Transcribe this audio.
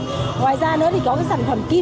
ngoài ra nữa thì có sản phẩm kim